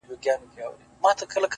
جدايي وخوړم لاليه- ستا خبر نه راځي-